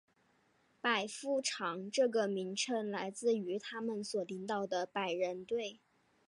百夫长这个名称来自于他们所领导百人队。